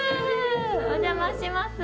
お邪魔します。